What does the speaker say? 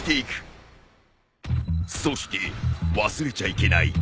そして忘れちゃいけない。